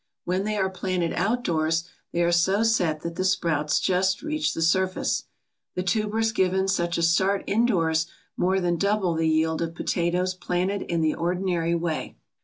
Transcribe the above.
When they are planted outdoors they are so set that the sprouts just reach the surface. The tubers given such a start indoors more than double the yield of potatoes planted in the ordinary way.